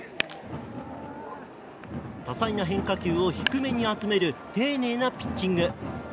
多彩な変化球を低めに集める丁寧なピッチング。